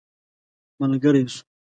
ملګری سو.